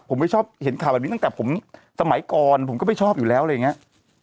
ผมไม่ชอบเห็นข่าวแบบนี้ตั้งแต่ผมสมัยก่อนผมก็ไม่ชอบอยู่แล้วอะไรอย่างนี้